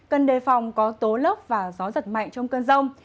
cần đề phòng có tố lốc và gió giật mạnh trong cơn rông